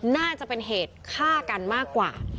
น่าจะเป็นเหตุฆ่ากันมากกว่า